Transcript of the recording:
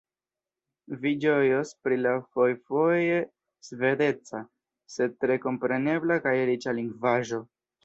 Vi ĝojos pri la fojfoje svedeca, sed tre komprenebla kaj riĉa lingvaĵo.